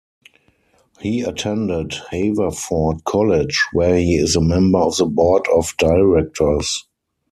He attended Haverford College, where he is a member of the Board of Directors.